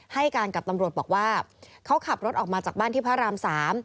ให้การกับตำรวจบอกว่าเขาขับรถออกมาจากบ้านที่พระรามสาม